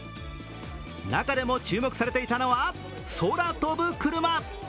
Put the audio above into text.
中でも注目されていたのは空飛ぶクルマ。